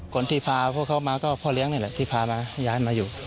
คนที่พาพวกเขามาก็พ่อเลี้ยงนี่แหละที่พามาย้ายมาอยู่